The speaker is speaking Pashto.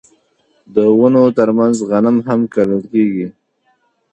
د ونو ترمنځ غنم هم کرل کیږي.